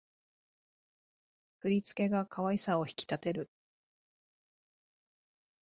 振り付けが可愛さを引き立てる